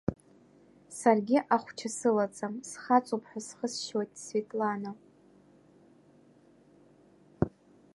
Саргьы ахәча сылаӡам, схаҵоуп ҳәа схы сшьоит, Светлана.